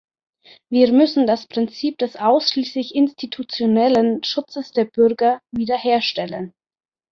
Wir müssen das Prinzip des ausschließlich institutionellen Schutzes der Bürger wiederherstellen.